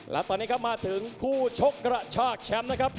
และตอนนี้ครับมาถึงคู่ชกกระชากแชมป์นะครับ